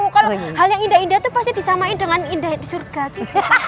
kalo hal yang indah indah tuh pasti disamain dengan indah yang di surga gitu